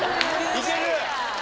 いける？